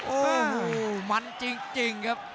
โอ้โหมันจริงครับ